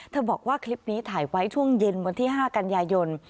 บอกว่าคลิปนี้ถ่ายไว้ช่วงเย็นวันที่๕กันยายน